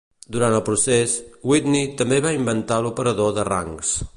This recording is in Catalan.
Durant el procés, Whitney també va inventar l'operador de rangs.